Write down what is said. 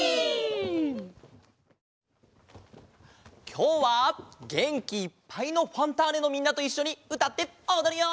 きょうはげんきいっぱいの「ファンターネ！」のみんなといっしょにうたっておどるよ！